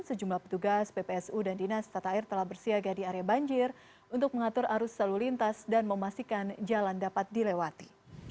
sejumlah petugas ppsu dan dinas tata air telah bersiaga di area banjir untuk mengatur arus lalu lintas dan memastikan jalan dapat dilewati